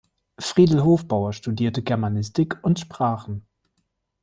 Friedl Hofbauer studierte Germanistik und Sprachen.